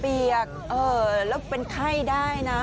เปียกแล้วเป็นไข้ได้นะ